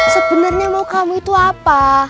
sebenarnya mau kamu itu apa